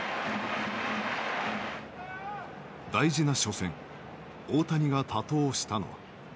大事な初戦大谷が多投したのは。